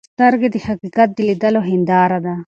سترګې د حقیقت د لیدلو هنداره ده.